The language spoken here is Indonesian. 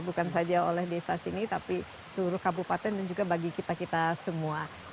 bukan saja oleh desa sini tapi seluruh kabupaten dan juga bagi kita kita semua